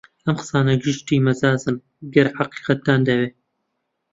ئەم قسانە گشتی مەجازن گەر حەقیقەتتان دەوێ